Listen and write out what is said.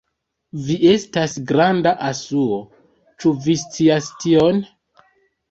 Vi estas granda asuo, ĉu vi scias tion?